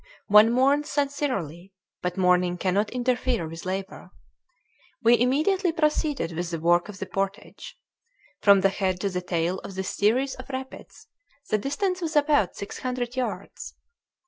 One mourns sincerely, but mourning cannot interfere with labor. We immediately proceeded with the work of the portage. From the head to the tail of this series of rapids the distance was about six hundred yards.